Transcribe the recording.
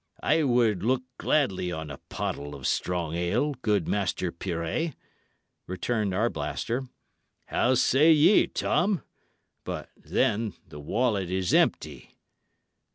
"I would look gladly on a pottle of strong ale, good Master Pirret," returned Arblaster. "How say ye, Tom? But then the wallet is empty."